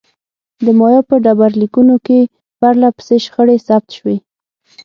د مایا په ډبرلیکونو کې پرله پسې شخړې ثبت شوې.